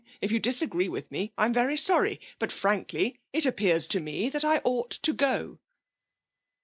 If you disagree with me I'm very sorry. But, frankly, it appears to me that I ought to go.'